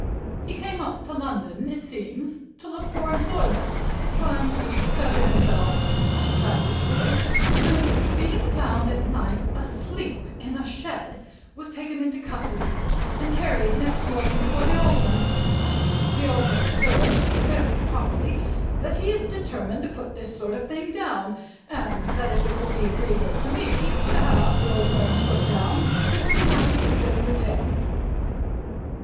He came up to London, it seems, to look for employment (trying to better himself that's his story), and being found at night asleep in a shed, was taken into custody, and carried next morning before the Alderman. The Alderman observes (very properly) that he is determined to put this sort of thing down, and that if it will be agreeable to me to have Will Fern put down, he will be happy to begin with him."